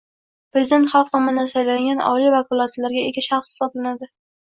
Prezident xalq tomonidan saylangan oliy vakolatlarga ega shaxs hisoblanadi